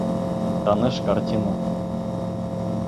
Таныш картина.